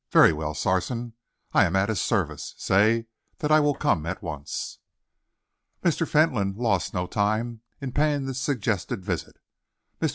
"Very well, Sarson, I am at his service. Say that I will come at once." Mr. Fentolin lost no time in paying this suggested visit. Mr.